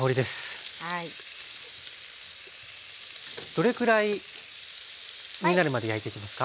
どれくらいになるまで焼いていきますか？